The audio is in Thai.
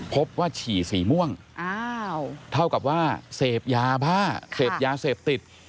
ว่าฉี่สีม่วงเท่ากับว่าเสพยาบ้าเสพยาเสพติด